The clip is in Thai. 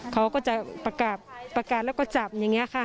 เขาก็จะประกาศแล้วก็จับอย่างนี้ค่ะ